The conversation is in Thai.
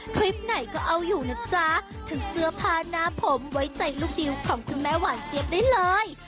คลิปไหนก็เอาอยู่นะจ๊ะถึงเสื้อผ้าหน้าผมไว้ใจลูกดิวของคุณแม่หวานเจี๊ยบได้เลย